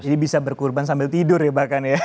jadi bisa berkurban sambil tidur ya bahkan ya